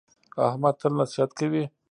احمد تل نصیحت کوي.